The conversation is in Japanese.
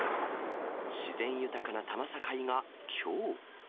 自然豊かな多摩境がきょう。